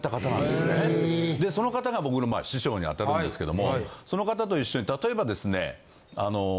でその方が僕の師匠にあたるんですけどもその方と一緒に例えばですね。